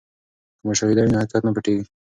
که مشاهده وي نو حقیقت نه پټیږي.